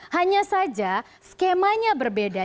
hanya saja skemanya berbeda